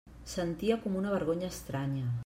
Sentia com una vergonya estranya.